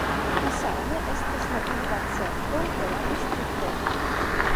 Kasane estas la urba centro de la Distrikto.